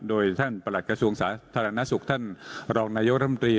โดยท่านประหลัดกระทรวงศาสตร์ธรรมนาศุกร์ท่านรองนายกระทรวงศาสตร์ธรรมตี